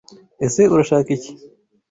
Ese Urashaka iki?